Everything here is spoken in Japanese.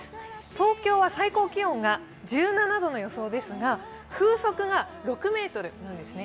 東京は最高気温が１７度の予想ですが風速が６メートルなんですね。